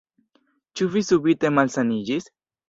Ĉu vi subite malsaniĝis?